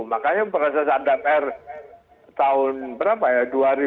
makanya proses adapr tahun berapa ya